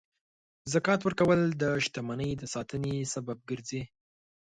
زکات ورکول د شتمنۍ د ساتنې سبب ګرځي.